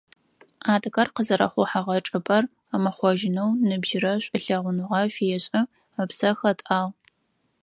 Адыгэр къызэрэхъухьэгъэ чӀыпӀэр ымыхъожьынэу ныбжьырэ шӀулъэгъуныгъэ фешӀы, ыпсэ хэтӀагъ.